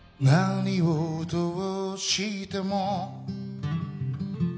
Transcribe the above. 「何をどうしても」